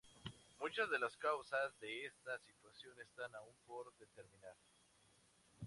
Muchas de las causas de esta situación están aún por determinar.